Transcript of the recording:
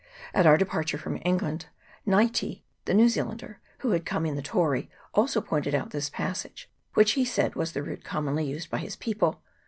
At our departure from England, Nayti, the New Zealander, who had come in the Tory, had also pointed out this passage, which he said was the route commonly used by his people.